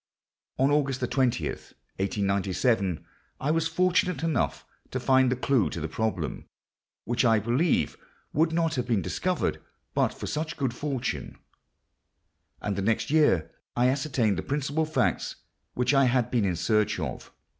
On August 20, 1897, I was fortunate enough to find the clue to the problem—which, I believe, would not have been discovered but for such good fortune; and the next year I ascertained the principal facts which I had been in search of.